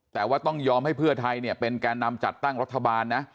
แต่ว่าต้องยอมให้เพื่อไทยเนี่ยเป็นแก่นำจัดตั้งรัฐบาลนะ